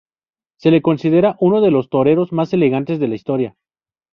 Se le considera uno de los toreros más elegantes de la historia.